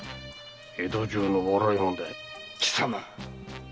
江戸中の笑い者だよ。